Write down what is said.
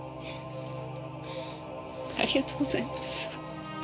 ありがとうございます。